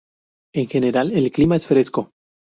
En general el clima es fresco.